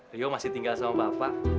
rio masih tinggal sama bapak